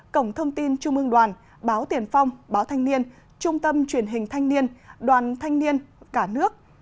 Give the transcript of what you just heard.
cổng thông tin trung ương đoàn báo tiền phong báo thanh niên trung tâm truyền hình thanh niên đoàn thanh niên cả nước